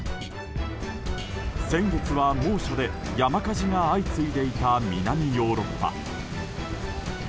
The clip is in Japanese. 先月は猛暑で山火事が相次いでいた南ヨーロッパ。